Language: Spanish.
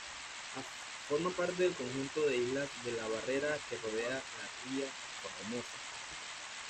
Forma parte del conjunto de islas de la barrera que rodea la ría Formosa.